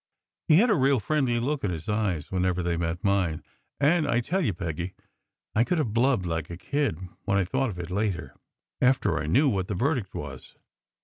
He had a real friendly look in his eyes whenever they met mine; and I tell you, Peggy, I could have blubbed like a kid when I thought of it later, after I knew what the verdict was.